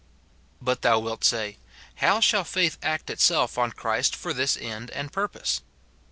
But thou wilt say, " How shall faith act itself on Christ for this end and purpose